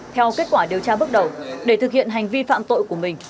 theo kết quả điều tra bước đầu để thực hiện hành vi phạm tội của mình